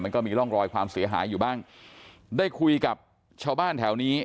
ก็มีร่องรอยความเสียหายอยู่บ้างได้คุยกับชาวบ้านแถวนี้